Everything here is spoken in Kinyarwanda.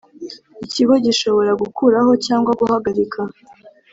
Ikigo gishobora gukuraho cyangwa guhagarika